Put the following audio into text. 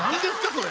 それ。